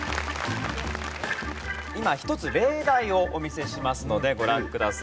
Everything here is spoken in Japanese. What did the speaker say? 今１つ例題をお見せしますのでご覧ください。